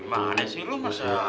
gimana sih lu mas